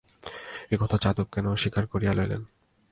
একথা যাদব কেন স্বীকার করিয়া লইলেন?